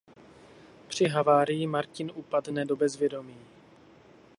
Při havárii Martin upadne do bezvědomí.